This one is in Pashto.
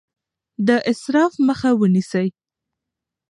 د اسراف مخه ونیسئ.